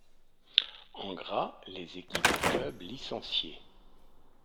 En gras, les équipes et clubs licenciés.